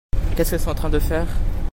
Qu'est-ce qu'elles sont en train de faire ?